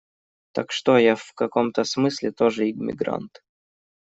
Так что я в каком-то смысле тоже иммигрант.